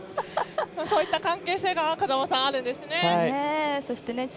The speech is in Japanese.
そういった関係性が風間さんとあるんですね。